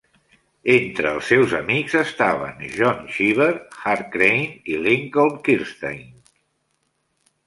Entre els seus amics estaven John Cheever, Hart Crane i Lincoln Kirstein.